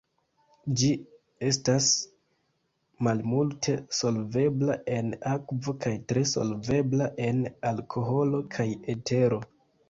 Ĝi estas malmulte solvebla en akvo kaj tre solvebla en alkoholo kaj etero.